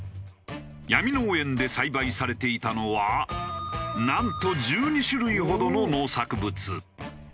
闇農園で栽培されていたのはなんと１２種類ほどの農作物。